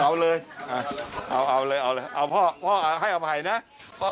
เอาเลยเอาเลยเอาเลยเอาพ่อพ่อให้เอาไปให้น่ะ